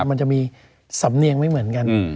มันจะมีสำเนียงไม่เหมือนกัน